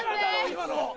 今の。